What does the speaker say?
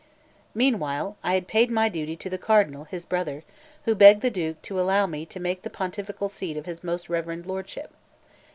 Meanwhile, I had paid my duty to the Cardinal his brother, who begged the Duke to allow me to make the pontifical seal of his most reverend lordship.